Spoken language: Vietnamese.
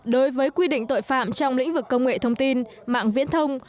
đối với quy định tội phạm trong lĩnh vực công nghệ thông tin mạng viễn thông